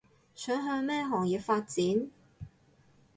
想向咩行業發展